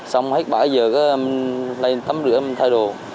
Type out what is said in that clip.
xong hết bảy h là em lên tắm rửa em thay đồ